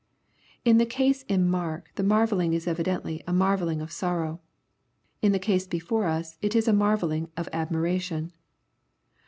In the case in Mark the marvelling is evidently a marvelling of sorrow. In the case before us it is a marvelling of admiration.